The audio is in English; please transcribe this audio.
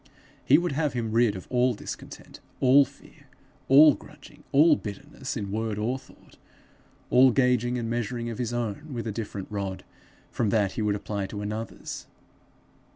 He would have him rid of all discontent, all fear, all grudging, all bitterness in word or thought, all gauging and measuring of his own with a different rod from that he would apply to another's.